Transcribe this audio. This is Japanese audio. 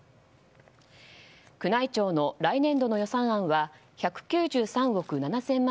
宮内庁の来年度の予算案は１９３億７０００万